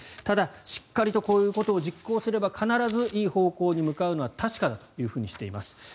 ただ、しっかりとこういうことを実行すれば必ずいい方向に向かうのは確かだというふうにしています。